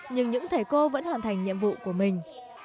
nhưng những thầy cô vẫn hoàn thành nhiệm vụ của mình